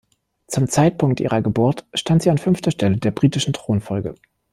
Zum Zeitpunkt ihrer Geburt stand sie an fünfter Stelle der britischen Thronfolge.